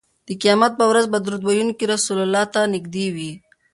د قیامت په ورځ به درود ویونکی رسول الله ته نږدې وي